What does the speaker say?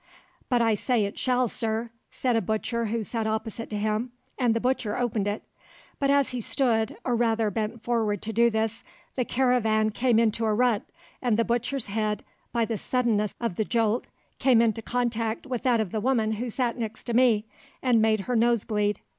'But I say it shall, sir,' said a butcher who sat opposite to him, and the butcher opened it; but as he stood, or rather bent forward to do this, the caravan came into a rut and the butcher's head, by the suddenness of the jolt, came into contact with that of the woman who sat next to me, and made her nose bleed.